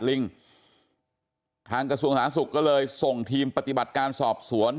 ลิงทางกระทรวงสาธารณสุขก็เลยส่งทีมปฏิบัติการสอบสวน